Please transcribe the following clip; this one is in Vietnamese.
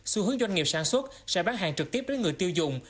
xu hướng doanh nghiệp sản xuất sẽ bán hàng trực tiếp đến người tiêu dùng